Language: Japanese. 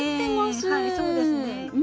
はいそうですね。